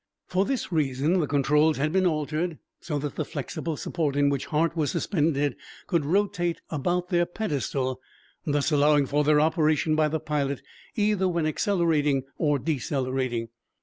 For this reason the controls had been altered so that the flexible support in which Hart was suspended could rotate about their pedestal, thus allowing for their operation by the pilot either when accelerating or decelerating.